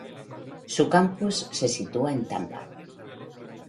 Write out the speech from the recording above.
Su campus se sitúa en Tampa.